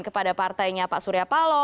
kepada partainya pak surya paloh